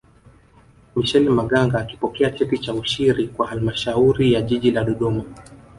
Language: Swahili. michel maganga akipokea cheti cha ushiri wa halmashauri ya jiji la dodoma